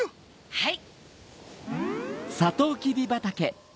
はい。